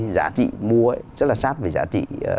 giá trị mua rất là sát với giá trị